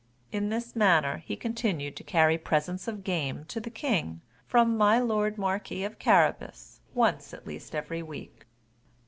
In this manner he continued to carry presents of game to the king from my lord marquis of Carabas, once at least in every week.